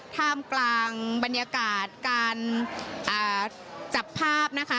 ท่ามกลางบรรยากาศการจับภาพนะคะ